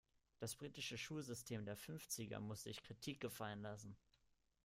Das britische Schulsystem der Fünfziger muss sich Kritik gefallen lassen.